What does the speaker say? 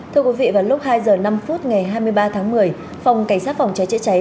thưa quý vị vào lúc hai giờ năm phút ngày hai mươi ba tháng một mươi phòng cảnh sát phòng cháy cháy cháy